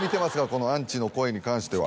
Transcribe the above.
このアンチの声に関しては。